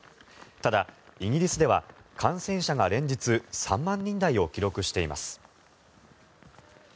ただ、イギリスでは感染者が連日３万人台を記録しています。